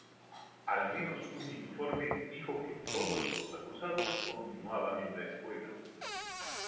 Al menos un informe dijo que todos los acusados continuaban en la escuela.